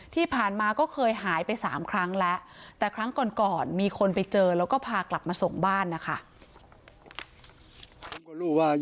ที่ผ่านมาก็เคยหายไป๓ครั้งแล้วแต่ครั้งก่อนมีคนไปเจอแล้วก็พากลับมาส่งบ้านนะคะ